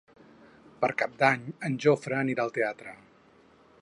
Per Cap d'Any en Jofre anirà al teatre.